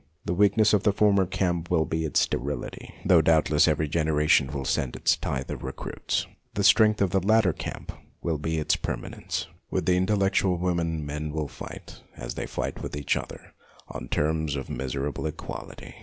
The weakness of the former camp will be its sterility, though doubtless every generation will send its tithe of recruits. The strength of the latter camp will be its permanence. With the intellectual women men will fight, as they fight with each other, on terms of miserable equality.